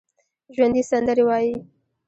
ژوندي سندرې وايي